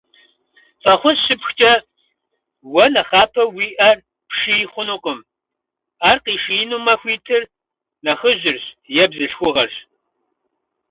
Фӏэхъус щыпхкӏэ уэ нэхъапэ уи ӏэр пший хъунукъым, ӏэр къишиинумэ хуитыр нэхъыжьырщ е бзылъхугъэрщ.